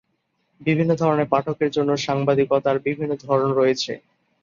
বিভিন্ন ধরনের পাঠকের জন্য সাংবাদিকতার বিভিন্ন ধরন রয়েছে।